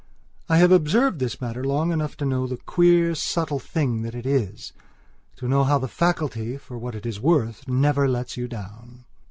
I have observed this matter long enough to know the queer, subtle thing that it is; to know how the faculty, for what it is worth, never lets you down.